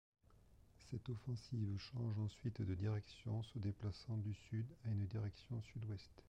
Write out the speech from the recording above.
Cette offensive change ensuite de direction, se déplaçant du sud à une direction sud-ouest.